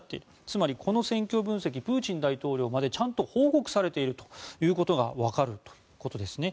つまりこの戦況分析はプーチン大統領までちゃんと報告されているということがわかるということですね。